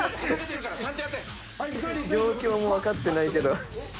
「状況も分かってないけど」